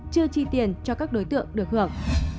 chưa chi tiền cho các đối tượng được hưởng